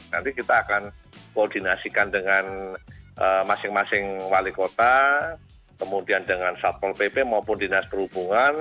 nanti kita akan koordinasikan dengan masing masing wali kota kemudian dengan satpol pp maupun dinas perhubungan